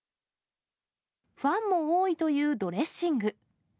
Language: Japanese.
ファンも多いというドレッシング。